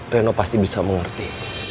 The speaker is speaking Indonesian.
reno pasti bisa mengerti